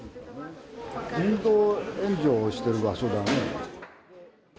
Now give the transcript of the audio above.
人道援助をしてる場所だね。